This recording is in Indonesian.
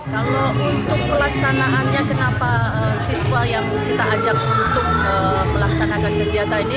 kalau untuk pelaksanaannya kenapa siswa yang kita ajak untuk melaksanakan kegiatan ini